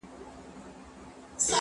چپنه د مور له خوا پاکه کيږي!!